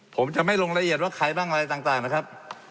ผมจะไม่ลงละเอียดว่าใครบ้างอะไรต่างนะครับ